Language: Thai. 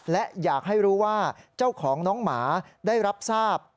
และอยากให้รู้ว่าเจ้าของน้องหมาได้รับทราบ